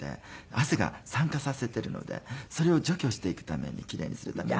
汗が酸化させているのでそれを除去していくために奇麗にするために。